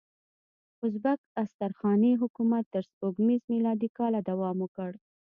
ازبک استرخاني حکومت تر سپوږمیز میلادي کاله دوام وکړ.